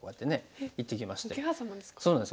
そうなんです。